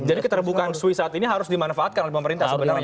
jadi keterbukaan swiss saat ini harus dimanfaatkan oleh pemerintah sebenarnya